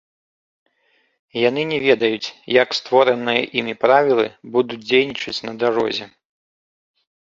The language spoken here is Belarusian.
І яны не ведаюць, як створаныя імі правілы будуць дзейнічаць на дарозе.